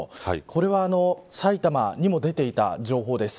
これは埼玉にも出ていた情報です。